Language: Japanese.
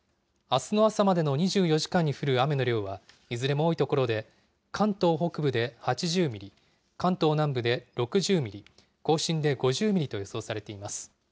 あすの朝までの２４時間に降る雨の量は、いずれも多い所で、関東北部で８０ミリ、関東南部で６０ミリ、甲信で５０ミリと予想されています。